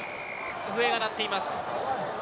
笛が鳴っています。